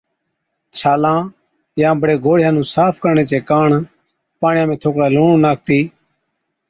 ڇالان يان بڙي گوڙهِيان نُون صاف ڪرڻي چي ڪاڻ پاڻِيان ۾ ٿوڪڙَي لُوڻ ناکتِي